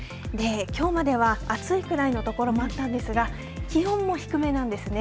きょうまでは暑いくらいの所もあったんですが気温も低めなんですね。